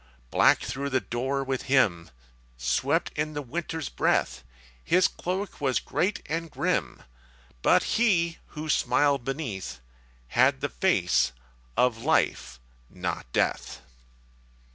_ Black through the door with him Swept in the Winter's breath; His cloak was great and grim But he, who smiled beneath, Had the face of Love not Death.